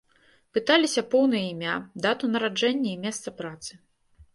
Пыталіся поўнае імя, дату нараджэння і месца працы.